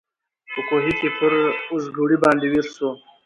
په کوهي کي پر اوزګړي باندي ویر سو